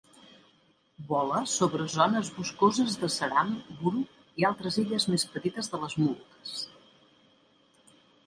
Vola sobre zones boscoses de Seram, Buru i altres illes més petites de les Moluques.